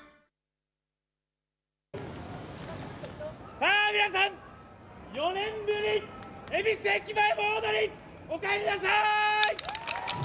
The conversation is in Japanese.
さあ皆さん、４年ぶり、恵比寿駅前盆踊り、おかえりなさい！